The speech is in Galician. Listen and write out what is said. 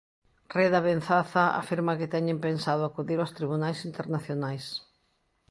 Reda Benzaza afirma que teñen pensado acudir aos tribunais internacionais.